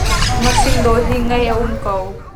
Ngahring dawi hi ngaih a um ko.